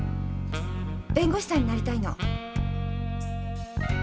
弁護士さんになりたいの。